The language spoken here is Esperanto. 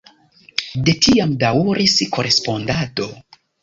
De tiam daŭris korespondado.